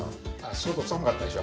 外寒かったでしょ？